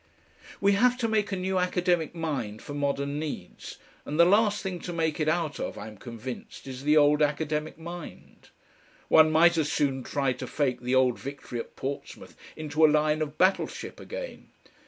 We have to make a new Academic mind for modern needs, and the last thing to make it out of, I am convinced, is the old Academic mind. One might as soon try to fake the old VICTORY at Portsmouth into a line of battleship again.